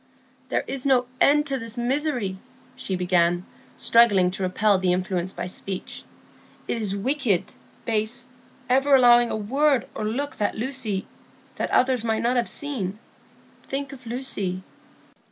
"There is no end to this misery," she began, struggling to repel the influence by speech. "It is wicked—base—ever allowing a word or look that Lucy—that others might not have seen. Think of Lucy."